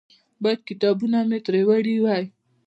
باید کتابونه مې ترې وړي وای.